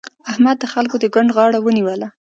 احمد د خلګو د ګوند غاړه ونيوله.